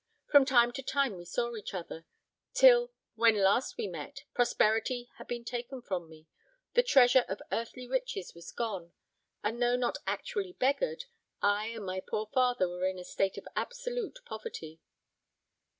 From time to time we saw each other; till, when last we met, prosperity had been taken from me, the treasure of earthly riches was gone, and though not actually beggared, I and my poor father were in a state of absolute poverty.